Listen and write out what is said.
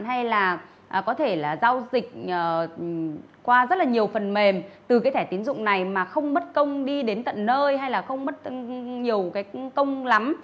hay là có thể là giao dịch qua rất là nhiều phần mềm từ cái thẻ tiến dụng này mà không mất công đi đến tận nơi hay là không mất nhiều cái công lắm